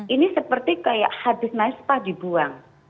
ini seperti kayak habis naik sepah dibuang